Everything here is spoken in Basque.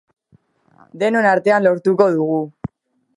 Denon artean lortuko dugu!